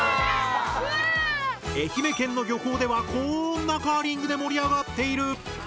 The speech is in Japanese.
愛媛県の漁港ではこんなカーリングで盛り上がっている！